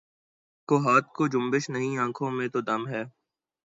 گو ہاتھ کو جنبش نہیں آنکھوں میں تو دم ہے